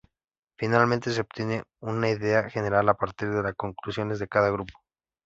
Finalmente se obtiene una idea general a partir de las conclusiones de cada grupo.